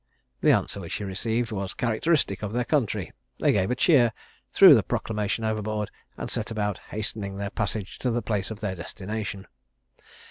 The answer which he received was characteristic of their country. They gave a cheer, threw the proclamation overboard, and set about hastening their passage to the place of their destination.